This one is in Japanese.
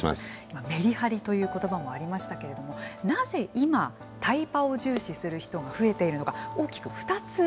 今メリハリという言葉もありましたけれどもなぜ今タイパを重視する人が増えているのか大きく２つあるということなんですね。